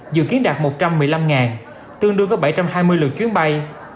dự kiến đạt một trăm một mươi năm tương đương với bảy trăm hai mươi lượt chuyến bay